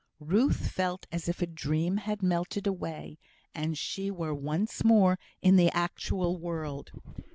Ruth felt as if a dream had melted away, and she were once more in the actual world.